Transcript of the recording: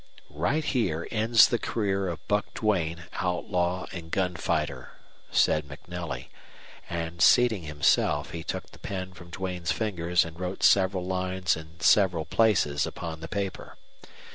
"Right here ends the career of Buck Duane, outlaw and gunfighter," said MacNelly; and, seating himself, he took the pen from Duane's fingers and wrote several lines in several places upon the paper.